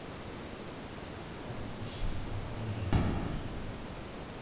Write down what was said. Das geschieht aber regelmäßig.